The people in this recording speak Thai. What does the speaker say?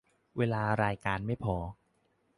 เวลารายการไม่พอ